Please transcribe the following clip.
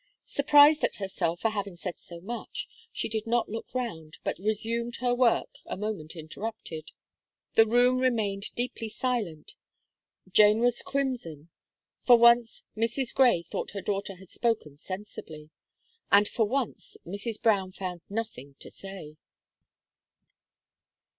Surprised at herself for having said so much, she did not look round, but resumed her work, a moment interrupted. The room remained deeply silent Jane was crimson. For once, Mrs. Gray thought her daughter had spoken sensibly; and for once, Mrs. Brown found nothing to say.